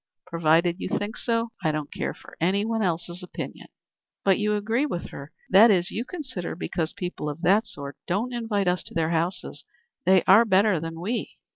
Provided you think so, I don't care for any one else's opinion." "But you agree with her. That is, you consider because people of that sort don't invite us to their houses, they are better than we."